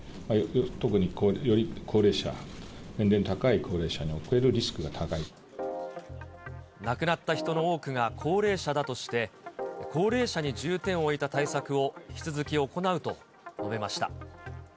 特により高齢者、年齢が高い高齢亡くなった人の多くが高齢者だとして、高齢者に重点を置いた対策を引き続き行うと述べました。